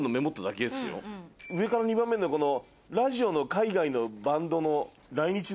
上から２番目のこの。